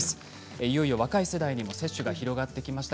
いよいよ若い世代にも接種が広がってきました。